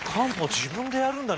自分でやるんだね！